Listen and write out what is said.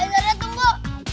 eh zora tunggu